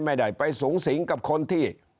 ไม่ได้ไปสูงสิงกับคนที่